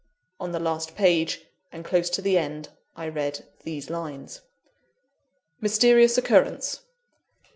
On the last page, and close to the end, I read these lines: "MYSTERIOUS OCCURRENCE.